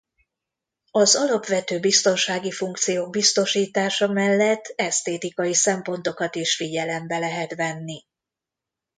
Az alapvető biztonsági funkciók biztosítása mellett esztétikai szempontokat is figyelembe lehet venni.